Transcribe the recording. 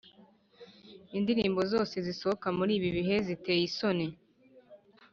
Indirimbo zose zisohoka muri ibibihe ziteye isoni